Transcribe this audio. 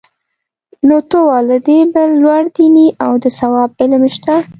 نو ته وا له دې بل لوړ دیني او د ثواب علم شته؟